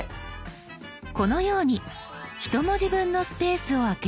このように１文字分のスペースを空ける場合。